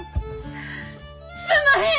すんまへん！